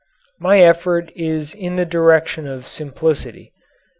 My effort is in the direction of simplicity.